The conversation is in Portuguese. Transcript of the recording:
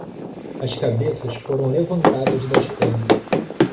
As cabeças foram levantadas das camas.